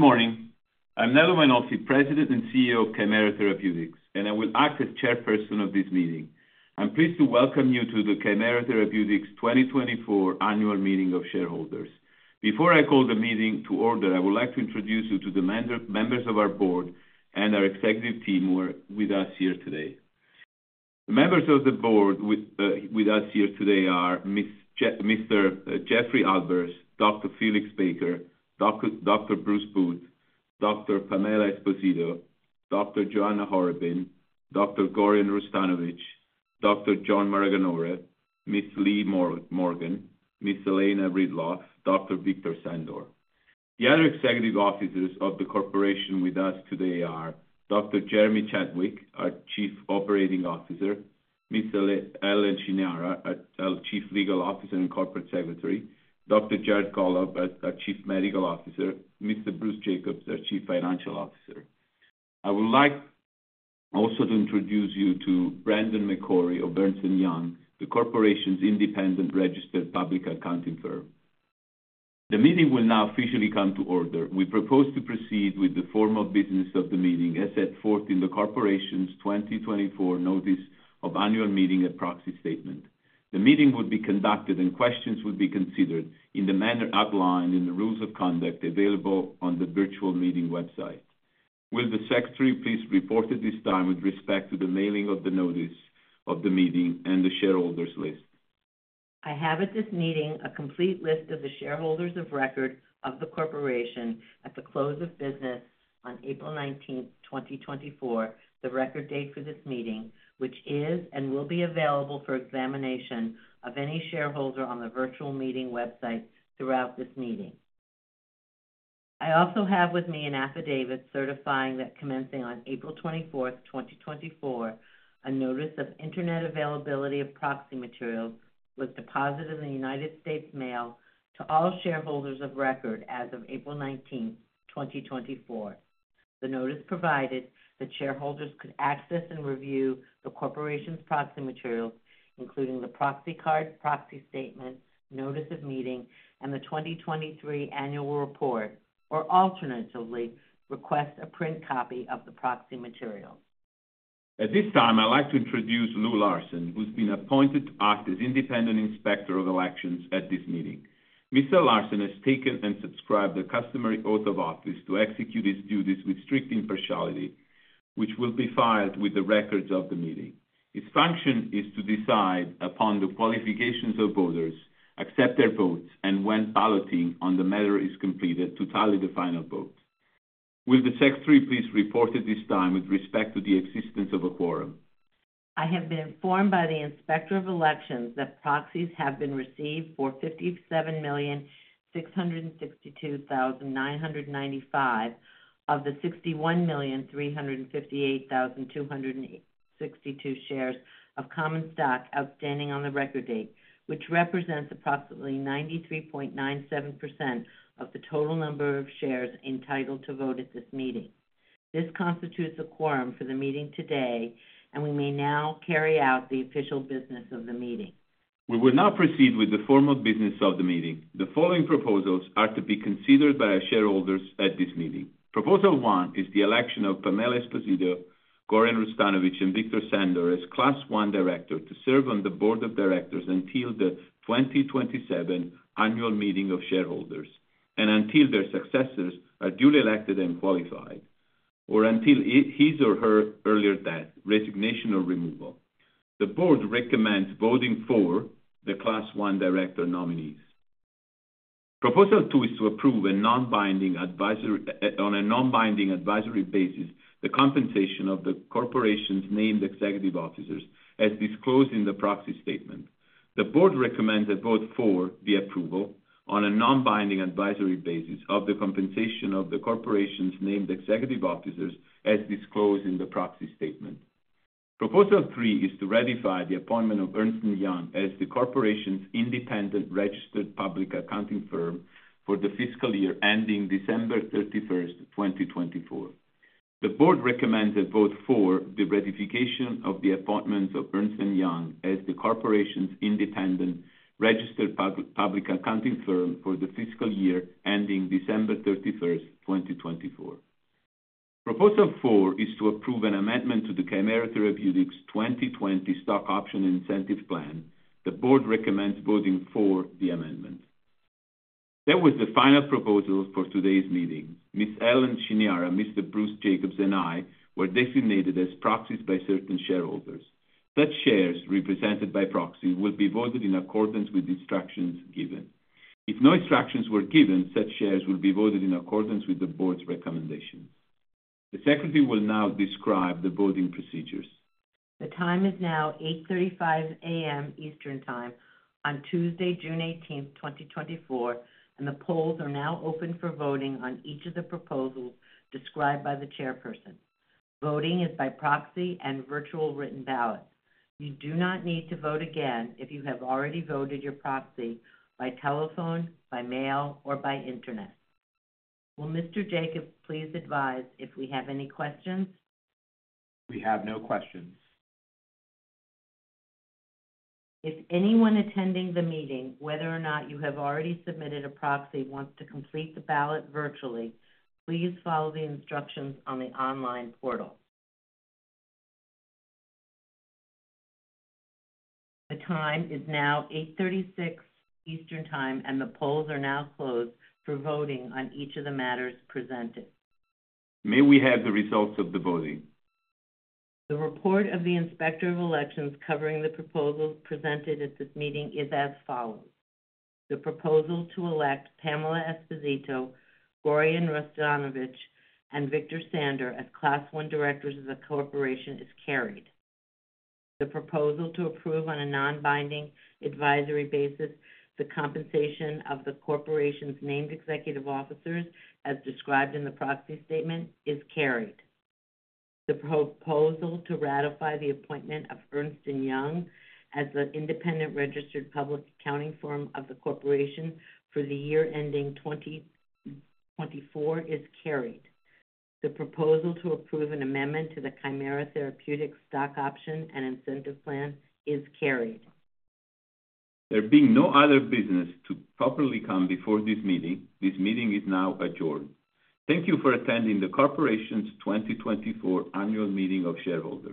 Good morning. I'm Nello Mainolfi, President and CEO of Kymera Therapeutics, and I will act as Chairperson of this meeting. I'm pleased to welcome you to the Kymera Therapeutics 2024 Annual Meeting of Shareholders. Before I call the meeting to order, I would like to introduce you to the members of our board and our executive team who are with us here today. The members of the board with us here today are Mr. Jeffrey Albers, Dr. Felix Baker, Dr. Bruce Booth, Dr. Pamela Esposito, Dr. Joanna Horobin, Dr. Gorjan Hrustanovic, Dr. John Maraganore, Ms. Leigh Morgan, Ms. Elena Ridloff, Dr. Victor Sandor. The other executive officers of the corporation with us today are Dr. Jeremy Chadwick, our Chief Operating Officer; Ms. Ellen Chiniara, our Chief Legal Officer and Corporate Secretary; Dr. Jared Gollob, our Chief Medical Officer; Mr. Bruce Jacobs, our Chief Financial Officer. I would like also to introduce you to Brendan McCorry, of Ernst & Young, the corporation's independent registered public accounting firm. The meeting will now officially come to order. We propose to proceed with the form of business of the meeting as set forth in the corporation's 2024 Notice of Annual Meeting and Proxy Statement. The meeting will be conducted, and questions will be considered in the manner outlined in the rules of conduct available on the virtual meeting website. Will the Secretary please report at this time with respect to the mailing of the notice of the meeting and the shareholders' list? I have at this meeting a complete list of the shareholders of record of the corporation at the close of business on April 19, 2024, the record date for this meeting, which is and will be available for examination of any shareholder on the virtual meeting website throughout this meeting. I also have with me an affidavit certifying that commencing on April 24, 2024, a notice of internet availability of proxy materials was deposited in the United States Mail to all shareholders of record as of April 19, 2024. The notice provided that shareholders could access and review the corporation's proxy materials, including the proxy card, proxy statement, notice of meeting, and the 2023 Annual Report, or alternatively request a print copy of the proxy materials. At this time, I'd like to introduce Lou Larson, who's been appointed as the independent inspector of elections at this meeting. Mr. Larson has taken and subscribed the customary oath of office to execute his duties with strict impartiality, which will be filed with the records of the meeting. His function is to decide upon the qualifications of voters, accept their votes, and when balloting on the matter is completed, to tally the final vote. Will the Secretary please report at this time with respect to the existence of a quorum? I have been informed by the inspector of elections that proxies have been received for 57,662,995 of the 61,358,262 shares of common stock outstanding on the record date, which represents approximately 93.97% of the total number of shares entitled to vote at this meeting. This constitutes a quorum for the meeting today, and we may now carry out the official business of the meeting. We will now proceed with the form of business of the meeting. The following proposals are to be considered by our shareholders at this meeting. Proposal one is the election of Pamela Esposito, Gorjan Hrustanovic, and Victor Sandor as Class I Director to serve on the Board of Directors until the 2027 Annual Meeting of Shareholders and until their successors are duly elected and qualified, or until his or her earlier death, resignation, or removal. The Board recommends voting for the Class I Director nominees. Proposal two is to approve a non-binding advisory on a non-binding advisory basis: the compensation of the corporation's named executive officers, as disclosed in the Proxy Statement. The Board recommends a vote for the approval on a non-binding advisory basis of the compensation of the corporation's named executive officers, as disclosed in the Proxy Statement. Proposal three is to ratify the appointment of Ernst & Young as the corporation's independent registered public accounting firm for the fiscal year ending December 31, 2024. The board recommends a vote for the ratification of the appointment of Ernst & Young as the corporation's independent registered public accounting firm for the fiscal year ending December 31, 2024. Proposal four is to approve an amendment to the Kymera Therapeutics 2020 Stock Option and Incentive Plan. The board recommends voting for the amendment. That was the final proposal for today's meeting. Ms. Ellen Chiniara, Mr. Bruce Jacobs, and I were designated as proxies by certain shareholders. Such shares represented by proxies will be voted in accordance with the instructions given. If no instructions were given, such shares will be voted in accordance with the board's recommendations. The Secretary will now describe the voting procedures. The time is now 8:35 A.M. Eastern Time on Tuesday, June 18, 2024, and the polls are now open for voting on each of the proposals described by the Chairperson. Voting is by proxy and virtual written ballot. You do not need to vote again if you have already voted your proxy by telephone, by mail, or by internet. Will Mr. Jacobs please advise if we have any questions? We have no questions. If anyone attending the meeting, whether or not you have already submitted a proxy, wants to complete the ballot virtually, please follow the instructions on the online portal. The time is now 8:36 P.M. Eastern Time, and the polls are now closed for voting on each of the matters presented. May we have the results of the voting? The report of the inspector of elections covering the proposals presented at this meeting is as follows: The proposal to elect Pamela Esposito, Gorjan Hrustanovic, and Victor Sandor as Class I Directors of the corporation is carried. The proposal to approve on a non-binding advisory basis, the compensation of the corporation's named executive officers, as described in the proxy statement, is carried. The proposal to ratify the appointment of Ernst & Young as the independent registered public accounting firm of the corporation for the year ending 2024 is carried. The proposal to approve an amendment to the Kymera Therapeutics Stock Option and Incentive Plan is carried. There being no other business to properly come before this meeting, this meeting is now adjourned. Thank you for attending the corporation's 2024 Annual Meeting of Shareholders.